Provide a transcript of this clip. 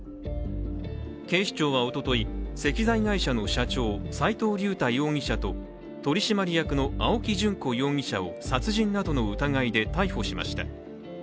警視庁はおととい、石材会社の社長・斉藤竜太容疑者と、取締役の青木淳子容疑者を殺人などの疑いで逮捕しました。